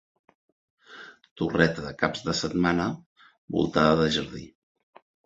Torreta de caps de setmana voltada de jardí.